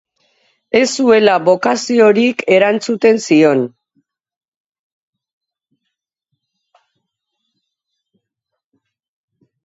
Ez zuela bokaziorik erantzuten zion.